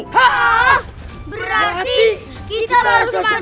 ah berarti kita kita sesuai